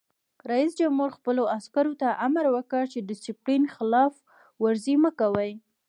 رئیس جمهور خپلو عسکرو ته امر وکړ؛ د ډسپلین خلاف ورزي مه کوئ!